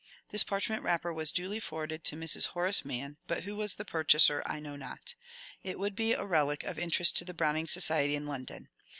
This parchment wrapper was duly forwarded to Mrs. Horace Mann, but who was the purchaser I know not. It would be a relic of interest to the Browning Society in London.